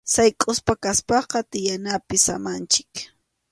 Sayk’usqa kaspaqa tiyanapi samanchik.